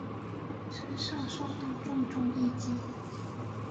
身上受到重重一击